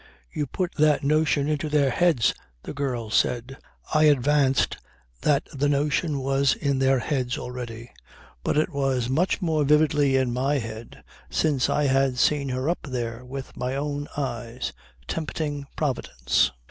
"You put that notion into their heads," the girl said. I advanced that the notion was in their heads already. But it was much more vividly in my head since I had seen her up there with my own eyes, tempting Providence.